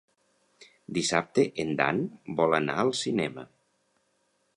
Dissabte en Dan vol anar al cinema.